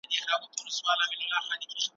حکومتونه ولي په ټولنه کي عدالت غواړي؟